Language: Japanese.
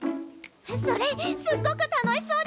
それすっごく楽しそうです！